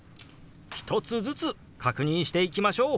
一つずつ確認していきましょう。